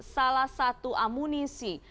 salah satu amunisi